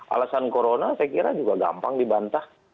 alasan corona saya kira juga gampang dibantah